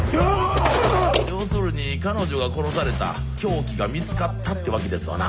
要するに彼女が殺された凶器が見つかったってわけですわな。